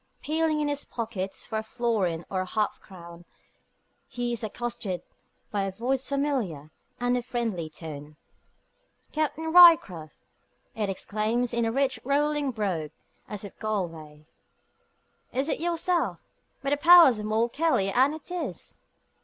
Peeling in his pockets for a florin or a half crown, he is accosted by a voice familiar and of friendly tone. "Captain Ryecroft!" it exclaims in a rich rolling brogue, as of Galway. "Is it yourself? By the powers of Moll Kelly, and it is."